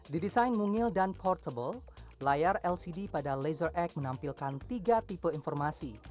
di desain mungil dan portable layar lcd pada laser egg menampilkan tiga tipe informasi